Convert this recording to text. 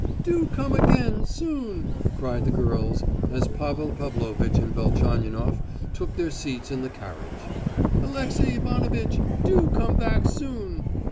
"Do come again soon!" cried the girls, as Pavel Pavlovitch and Velchaninoff took their seats in the carriage; "Alexey Ivanovitch, do come back soon!"